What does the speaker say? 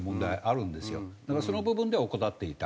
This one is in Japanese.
だからその部分では怠っていた。